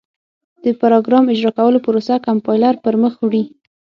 د پراګرام اجرا کولو پروسه کمپایلر پر مخ وړي.